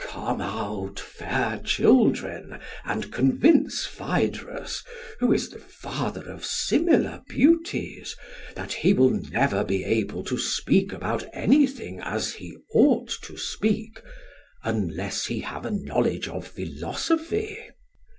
SOCRATES: Come out, fair children, and convince Phaedrus, who is the father of similar beauties, that he will never be able to speak about anything as he ought to speak unless he have a knowledge of philosophy.